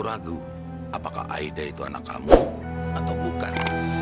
ragu apakah aida itu anak kamu atau bukan